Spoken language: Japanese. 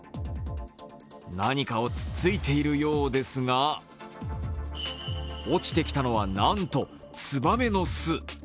何かをつっついているようですが落ちてきたのはなんとツバメの巣。